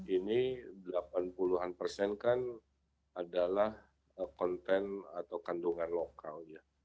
ini delapan puluh an persen kan adalah konten atau kandungan lokal ya